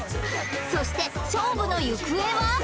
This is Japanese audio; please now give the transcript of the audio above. そして勝負の行方は！？